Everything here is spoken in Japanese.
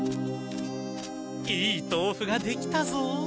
いい豆腐が出来たぞ。